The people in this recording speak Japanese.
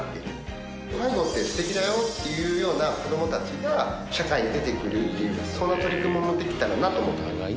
介護って素敵だよっていうような子どもたちが社会に出てくるっていうその取り組みもできたらなと。